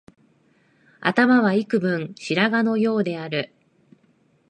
頭はいくぶん白髪のようである